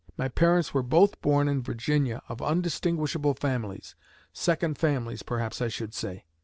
My parents were both born in Virginia, of undistinguishable families second families, perhaps I should say.